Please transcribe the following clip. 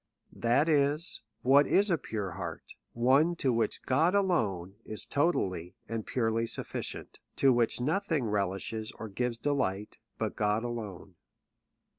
That is. What is a pure heart? One to which God alone is totally and purely sufficient ; to which nothing re lishes or gives delight but God alone.